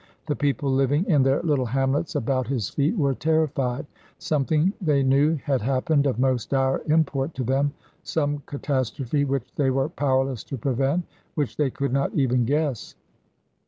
The people living in their little hamlets about his feet were terrified. Something they knew had happened of most dire import to them, some catastrophe which they were powerless to prevent, which they could not even guess.